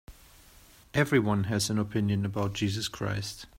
Everyone has an opinion about Jesus Christ.